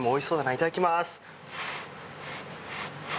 いただきます。